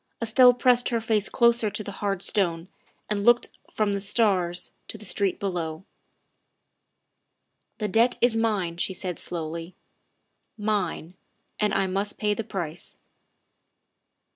Estelle pressed her face closer to the hard stone and looked from the stars to the street below. " The debt is mine," she said slowly, " mine and I must pay the price."